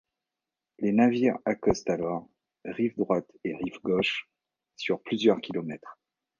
Les navires accostent alors rive droite et rive gauche sur plusieurs kilomètres.